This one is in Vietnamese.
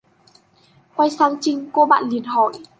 quay sang Trinh cô bạn liền hỏi